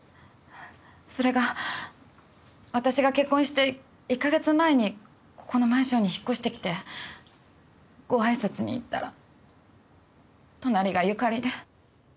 それが私が結婚して１カ月前にここのマンションに引っ越してきてごあいさつに行ったら隣が由佳里で。